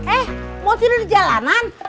eh mau tidur di jalanan